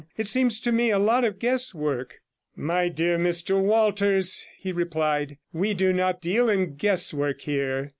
It seems to me a lot of guesswork.' 'My dear Mr Walters,' he replied, 'we do not deal in guesswork here.